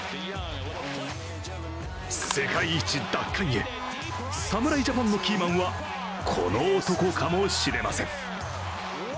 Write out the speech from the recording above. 世界一奪還へ、侍ジャパンのキーマンはこの男かもしれません。